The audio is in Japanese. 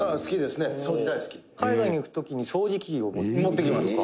横尾：「海外に行く時に掃除機を持っていくとか」